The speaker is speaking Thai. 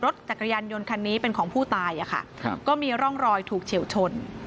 รถจักรยานยนต์คันนี้เป็นของผู้ตายอะค่ะครับก็มีร่องรอยถูกเฉียวชน